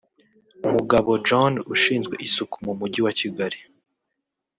Mugabo John ushinzwe isuku mu mujyi wa Kigali